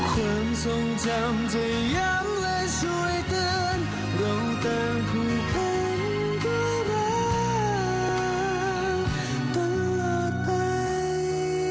ความทรงจำจะย้ำเลยช่วยเตือนเราตั้งผู้เพื่อนด้วยมาตลอดไป